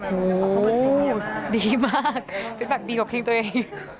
โหดีมากเป็นแบบดีกว่าเพลงตัวเอง